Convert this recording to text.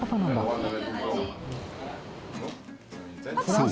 そう。